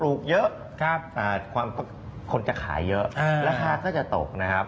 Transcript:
หรือว่าคนปลูกเยอะคนจะขายเยอะราคาก็จะตกนะครับ